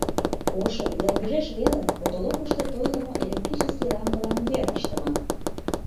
Ошо, йылгыжеш веле, потолокышто тойлымо электрический лампылан вер ыштыме.